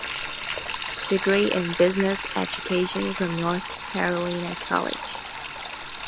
Degree in Business Education from North Carolina College.